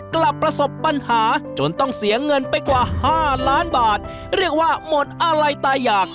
ประสบปัญหาจนต้องเสียเงินไปกว่าห้าล้านบาทเรียกว่าหมดอะไรตายอยาก